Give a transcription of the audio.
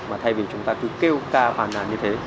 mà thay vì chúng ta cứ kêu ca phàn nàn như thế